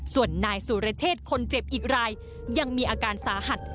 ส่วนนายสุรเชษคนเจ็บอีกรายยังมีอาการสาหัส